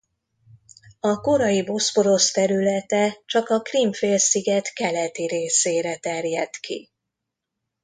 A korai Boszporosz területe csak a Krím félsziget keleti részére terjedt ki.